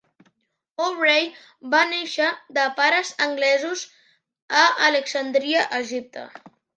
Mowbray va néixer de pares anglesos a Alexandria, Egipte.